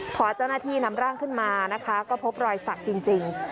พอเจ้าหน้าที่นำร่างขึ้นมานะคะก็พบรอยสักจริง